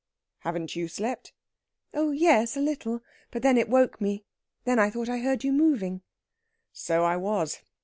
"Haven't you slept?" "Oh yes, a little. But then it woke me. Then I thought I heard you moving." "So I was.